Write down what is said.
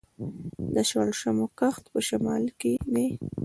د شړشمو کښت په شمال کې دی.